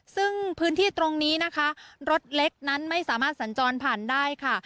ซึ่งพื้นที่ตรงนี้นะคะรถเล็กนั้นไม่สามารถสัญจรผ่านได้ค่ะ